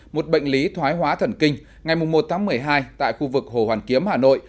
một bệnh lý thoái hóa thần kinh ngày một tháng một mươi hai tại khu vực hồ hoàn kiếm hà nội